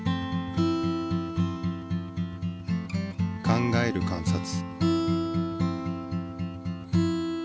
考える観察。